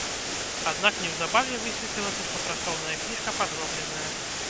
Аднак неўзабаве высветлілася, што працоўная кніжка падробленая.